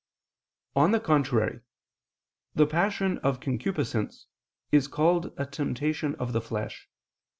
On the contrary, The passion of concupiscence is called a temptation of the flesh.